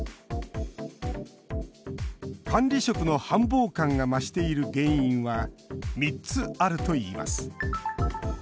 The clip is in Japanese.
管理職の繁忙感が増している原因は３つあるといいます。